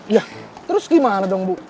iya terus gimana dong bu